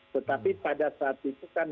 tetapi pada saat itu kan